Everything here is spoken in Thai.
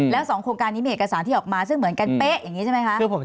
แล้ว๒โครงการนี้มีเอกสารที่ออกมาซึ่งเหมือนกันเป๊ะอย่างนี้ใช่ไหมคะ